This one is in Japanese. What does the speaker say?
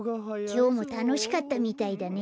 きょうもたのしかったみたいだね。